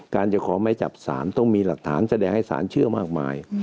การจะเคาะไม้จับศาลต้องมีหลักฐานแสดงให้ศาลเชื่อมากมาย